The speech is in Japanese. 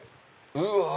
うわ！